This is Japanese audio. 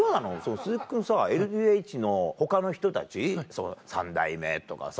鈴木君さＬＤＨの他の人たち三代目とかさ